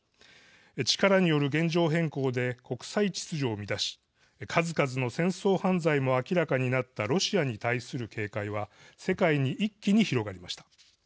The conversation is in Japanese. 力による現状変更で国際秩序を乱し数々の戦争犯罪も明らかになったロシアに対する警戒は世界に一気に広がりました。